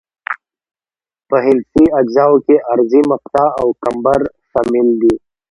په هندسي اجزاوو کې عرضي مقطع او کمبر شامل دي